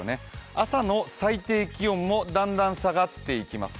朝の最低気温もだんだん下がっていきます。